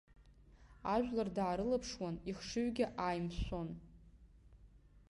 Ажәлар даарылаԥшуан, ихшыҩгьы ааимшәон.